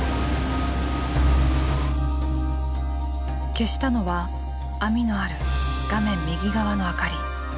消したのは網のある画面右側の明かり。